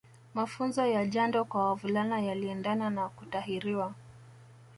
Mafunzo ya jando kwa wavulana yaliendana na kutahiriwa